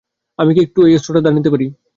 আমি কি একটু এই অস্ত্রটা ধার নিতে পারি?